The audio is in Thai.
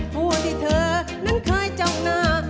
ผู้ที่เธอนั้นเคยจ้องหน้า